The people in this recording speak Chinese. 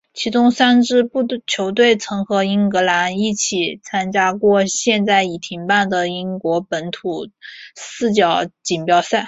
其中三支球队曾和英格兰一起参加过现在已停办的英国本土四角锦标赛。